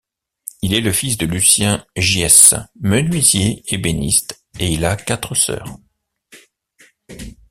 Il est le fils de Lucien Giess menuisier ébéniste et il a quatre sœurs.